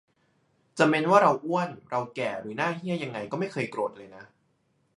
จะเม้นว่าเราอ้วนเราแก่หรือหน้าเหี้ยยังไงก็ไม่เคยโกรธเลยนะ